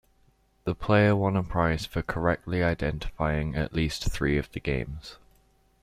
The player won a prize for correctly identifying at least three of the games.